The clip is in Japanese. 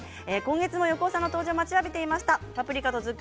今月も横尾さんの登場待っていました。